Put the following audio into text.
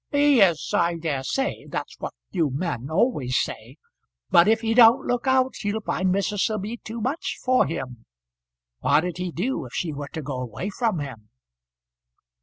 "Yes, I dare say; that's what you men always say. But if he don't look out he'll find missus'll be too much for him. What'd he do if she were to go away from him?"